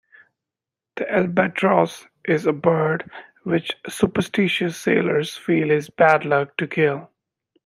The albatross is a bird which superstitious sailors feel is bad luck to kill.